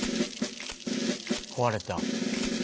壊れた。